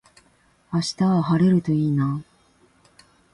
明日は晴れるといいな